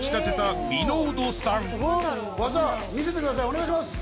お願いします。